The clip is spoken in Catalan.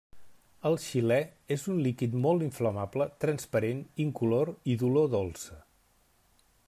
El xilè és un líquid molt inflamable, transparent, incolor i d'olor dolça.